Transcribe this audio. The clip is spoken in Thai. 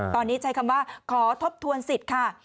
ตอนนี้ใช้คำว่าขอทบทวนสิทธิ์ค่ะ